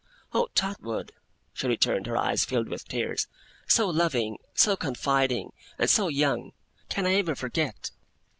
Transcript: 'Oh, Trotwood!' she returned, her eyes filled with tears. 'So loving, so confiding, and so young! Can I ever forget?